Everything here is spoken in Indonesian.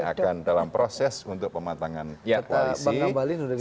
yang akan dalam proses untuk pematangan koalisi